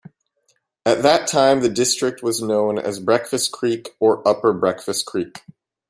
At that time the district was known as Breakfast Creek or Upper Breakfast Creek.